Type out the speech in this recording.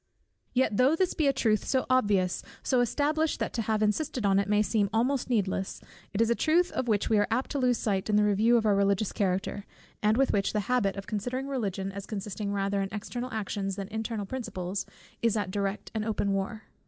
Yet though this be a truth so obvious, so established, that to have insisted on it may seem almost needless; it is a truth of which we are apt to lose sight in the review of our religious Character, and with which the habit, of considering Religion as consisting rather in external actions, than internal principles, is at direct and open war.